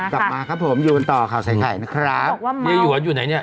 กลับมาครับผมอยู่กันต่อข่าวใส่ไข่นะครับเย้หยวนอยู่ไหนเนี่ย